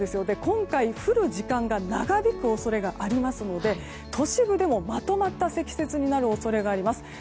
今回、降る時間が長引く恐れがありますので都市部でもまとまった積雪になる恐れがあります。